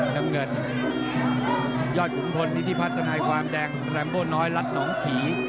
น้ำเงินยอดผู้คนที่พัฒนาความแดงแรมโบ้น้อยรัดหนองขี่